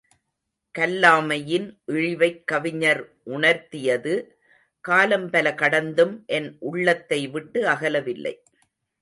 கல்லாமையின் இழிவைக் கவிஞர் உணர்த்தியது — காலம் பல கடந்தும் என் உள்ளத்தை விட்டு அகலவில்லை.